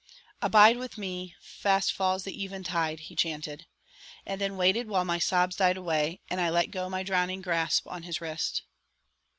"'Abide with me, fast falls the even tide,'" he chanted, and then waited while my sobs died away and I let go my drowning grasp on his wrist.